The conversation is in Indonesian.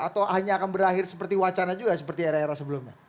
atau hanya akan berakhir seperti wacana juga seperti era era sebelumnya